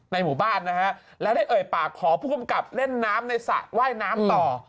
หมู่บ้านนะฮะแล้วได้เอ่ยปากขอผู้กำกับเล่นน้ำในสระว่ายน้ำต่อ